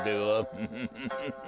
フフフフフ。